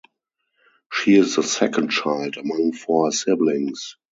She is the second child among four siblings.